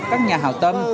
các nhà hảo tâm